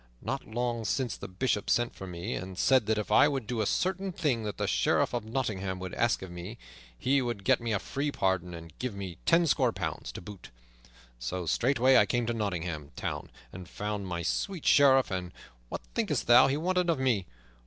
Not long since the Bishop sent for me, and said that if I would do a certain thing that the Sheriff of Nottingham would ask of me, he would get me a free pardon, and give me tenscore pounds to boot. So straightway I came to Nottingham Town and found my sweet Sheriff; and what thinkest thou he wanted of me?